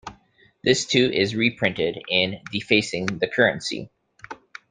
This too is reprinted in "Defacing the Currency".